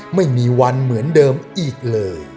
ไม่มีวันเหมือนเดิมอีกเลย